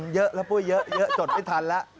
เยอะแล้วปุ้ยเยอะจดไม่ทันแล้ว